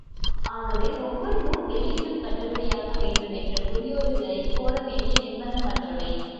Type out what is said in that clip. ஆகவே ஒவ்வொரு நூல் வெளியீடும் கட்டுபடியாக வேண்டுமென்ற குறியோடு விலை போடவேண்டிய நிர்ப்பந்தம் அற்றவை.